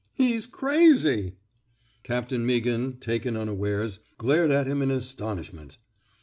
He's crazy! *' Captain Meaghan, taken unawares, glared at him in astonishment.